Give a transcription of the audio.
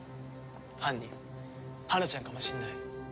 犯人花ちゃんかもしれない。